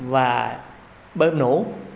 và bơm nổ